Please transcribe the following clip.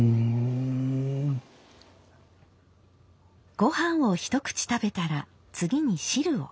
ご飯を一口食べたら次に汁を。